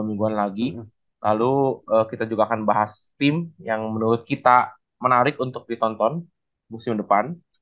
dua mingguan lagi lalu kita juga akan bahas tim yang menurut kita menarik untuk ditonton museum depan